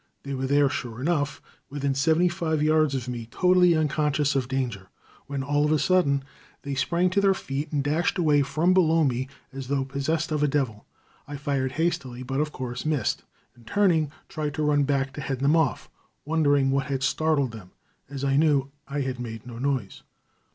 They were there, sure enough, within seventy five yards of me, totally unconscious of danger, when all of a sudden they sprang to their feet and dashed away from below me as though possessed of a devil. I fired hastily, but of course missed, and turning, tried to run back to head them off, wondering what had started them, as I knew I had made no noise.